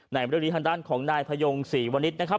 ในบริโภคดีทางด้านของนายพยงสี่วนิทนะครับ